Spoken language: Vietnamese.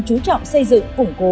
chú trọng xây dựng phủng cố